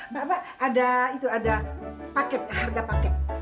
pak pak ada itu ada paket harga paket